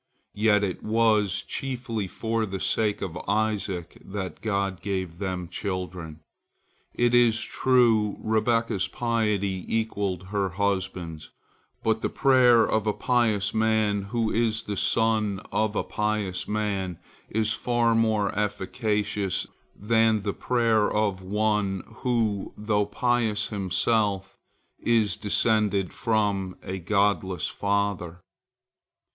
Yet it was chiefly for the sake of Isaac that God gave them children. It is true, Rebekah's piety equalled her husband's, but the prayer of a pious man who is the son of a pious man is far more efficacious than the prayer of one who, though pious himself, is descended from a godless father.